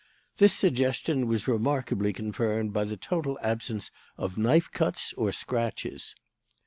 "This suggestion was remarkably confirmed by the total absence of knife cuts or scratches.